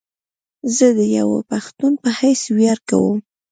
زه ديوه پښتون په حيث وياړ کوم